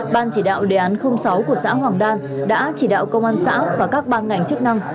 ban chỉ đạo đề án sáu của xã hoàng đan đã chỉ đạo công an xã và các ban ngành chức năng